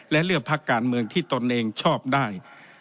และเลือกพักการเมืองที่ตนเองชอบได้